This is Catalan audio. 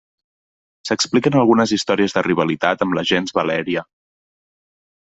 S'expliquen algunes històries de rivalitat amb la gens Valèria.